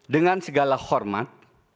dengan segala hormat